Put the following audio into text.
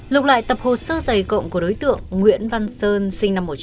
lục lại tập hồ sơ giày cộng của đối tượng nguyễn văn sơn sinh năm một nghìn chín trăm tám mươi năm